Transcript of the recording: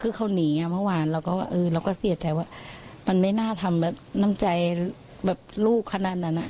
คือเขาหนีเมื่อวานเราก็ว่าเออเราก็เสียใจว่ามันไม่น่าทำแบบน้ำใจแบบลูกขนาดนั้น